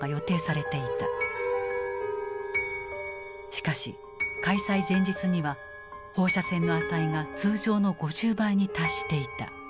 しかし開催前日には放射線の値が通常の５０倍に達していた。